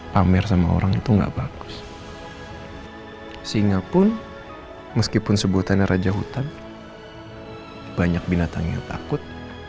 pamer sama orang itu enggak bagus singapun meskipun sebutannya raja hutan banyak binatang yang takut